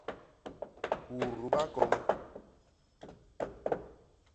Huuru bakoñ!